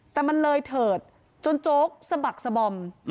แต่มันเลยเถิดจนโจ๊กสะบักสบอม